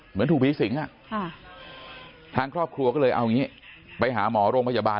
เหมือนถูกผีสิงทางครอบครัวก็เลยเอาอย่างนี้ไปหาหมอโรงพยาบาล